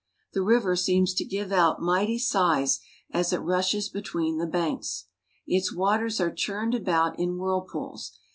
The river seems to give out mighty sighs as it rushes between the banks. Its waters are churned about in whirlpools.